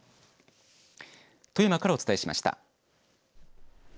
富山からお伝えしました。